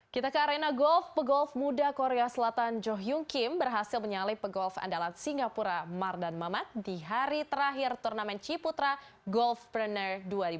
kita ke arena golf pegolf muda korea selatan jo hyung kim berhasil menyalih pegolf andalan singapura mardan mamat di hari terakhir turnamen ciputra golf preneur dua ribu dua puluh